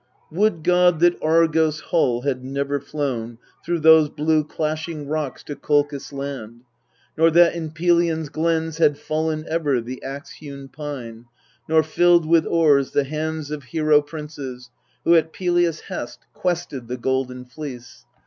Would God that Argo's hull had never flown Through those blue Clashing Rocks to Kolchis land ! Nor that in Pelion's glens had fallen ever The axe hewn pine, nor filled with oars the hands Of hero princes, who at Pelias' hest Quested the Golden Fleece